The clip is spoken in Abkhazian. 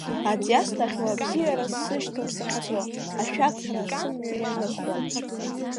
Аӡ иасҭахьоу абзиара сышьҭоуп сахьцо, ашәарҭара сымҩа ианыхуа…